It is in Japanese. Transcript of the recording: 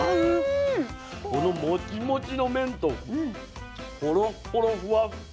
このもちもちの麺とほろっほろふわっふわの。